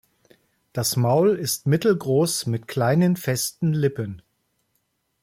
Das Maul ist mittelgroß mit kleinen, festen Lippen.